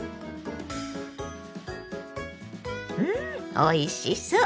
うんおいしそう！